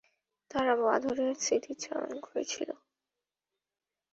তারা বদরের স্মৃতিচারণ করছিলেন।